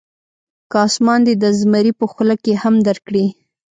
که اسمان دې د زمري په خوله کې هم درکړي.